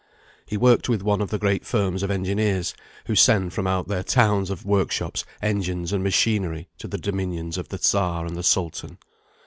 He worked with one of the great firms of engineers, who send from out their towns of workshops engines and machinery to the dominions of the Czar and the Sultan.